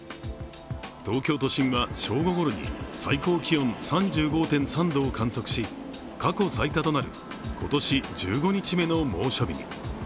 東京都心は正午ごろに最高気温３５．５度を観測し、過去最多となる今年１５日目の猛暑日に。